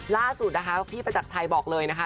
ล่าสุดพี่ประจัดชัยบอกเลยนะคะ